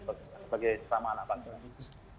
terima kasih sama anak anak